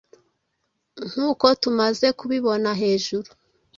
nkuko tumaze kubibona hejuru,